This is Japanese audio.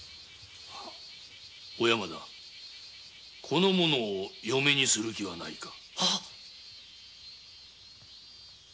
この者を嫁にする気はないか？